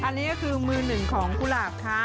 อันนี้ก็คือมือหนึ่งของกุหลาบค่ะ